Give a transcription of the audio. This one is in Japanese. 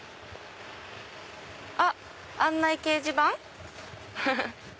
あっ案内掲示板？